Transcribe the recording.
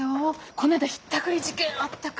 こないだひったくり事件あったからね。